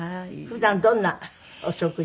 普段どんなお食事？